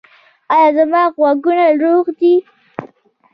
ایا زما غوږونه روغ دي؟